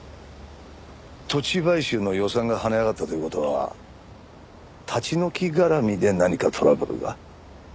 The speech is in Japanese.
土地買収の予算が跳ね上がったという事は立ち退き絡みで何かトラブルが？